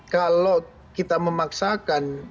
kalau kita memaksakan